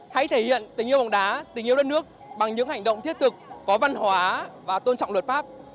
hãy thể hiện tình yêu bóng đá tình yêu đất nước bằng những hành động thiết thực có văn hóa và tôn trọng luật pháp